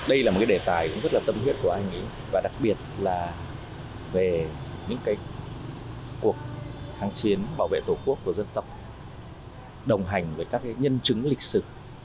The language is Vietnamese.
đây là một cái đề tài cũng rất là tâm huyết của anh và đặc biệt là về những cuộc kháng chiến bảo vệ tổ quốc của dân tộc đồng hành với các nhân chứng lịch sử